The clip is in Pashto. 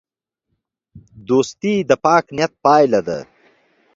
دوستي د پاک نیت پایله ده.